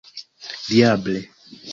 diable